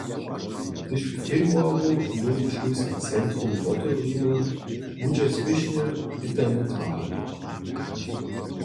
Hdyž w februaru nowy šulski centrum wotewrimy, budźe spěšny internet wažny.